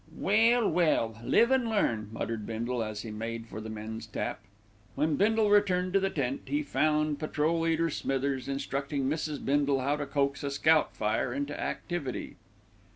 "Well, well, live an' learn," muttered Bindle, as he made for the men's tap. When Bindle returned to the tent, he found Patrol leader Smithers instructing Mrs. Bindle in how to coax a scout fire into activity.